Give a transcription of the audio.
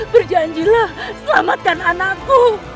berjanjilah selamatkan anakku